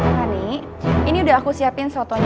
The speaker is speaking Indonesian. fanny ini udah aku siapin fotonya